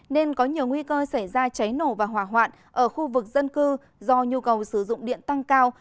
nên có nhiều nguy cơ xảy ra cháy nổ và hỏa hoạn ở khu vực dân cư do nhu cầu sử dụng điện tăng cao